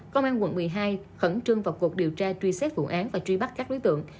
công an quận một mươi hai khẩn trương vào cuộc điều tra truy xét vụ án và truy bắt các đối tượng